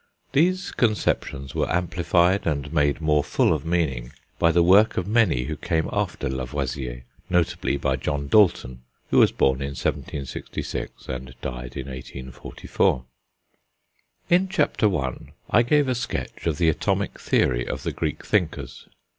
These conceptions were amplified and made more full of meaning by the work of many who came after Lavoisier, notably by John Dalton, who was born in 1766 and died in 1844. In Chapter I., I gave a sketch of the atomic theory of the Greek thinkers.